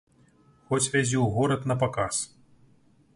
Хоць вязі ў горад на паказ!